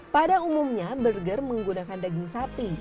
pada umumnya burger menggunakan daging sapi